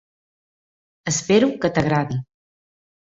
Espero que t'agradi.